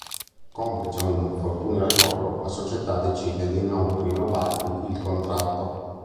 Complice un infortunio al collo, la società decide di non rinnovargli il contratto.